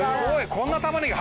こんな玉ねぎ